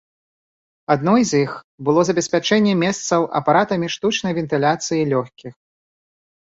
Адной з іх было забеспячэнне месцаў апаратамі штучнай вентыляцыі лёгкіх.